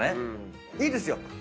いいですよ。